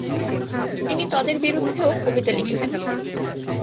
তিনি তদের বিরুদ্ধেও কবিতা লিখতেন।